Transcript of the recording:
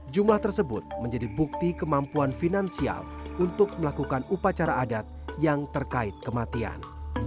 jumlah tersebut menjadi bukti kemampuan finansial untuk melakukan upacara adat yang terkait kematian